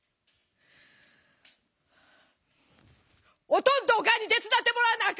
「おとんとおかんに手伝ってもらわなあ